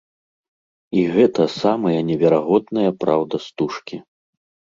І гэта самая неверагодная праўда стужкі.